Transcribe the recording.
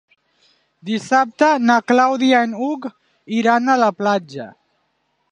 Dissabte na Clàudia i n'Hug iran a la platja.